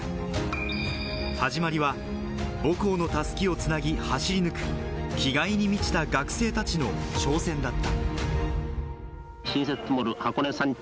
始まりは母校の襷を繋ぎ、走り抜く気概に満ちた学生たちの挑戦だった。